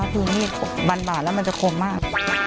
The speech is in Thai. อันนี้บานแล้วมันจะคมมาก